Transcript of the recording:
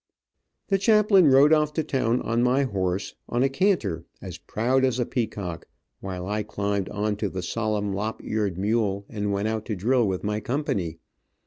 The chaplain rode off to town on my horse, on a canter, as proud as a peacock, while I climbed on to the solemn, lop eared mule and went out to drill with my company.